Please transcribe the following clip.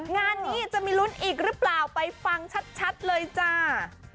งานนี้จะมีลุ้นอีกหรือเปล่าไปฟังชัดเลยจ้า